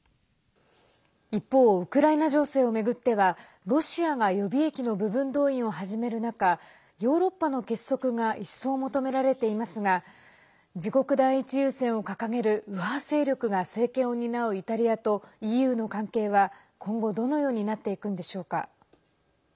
一方、ウクライナ情勢を巡ってはロシアが予備役の部分動員を始める中ヨーロッパの結束が一層求められていますが自国第一優先を掲げる右派勢力が政権を担うイタリアとＥＵの関係は今後、どのようになっていくんでしょうか。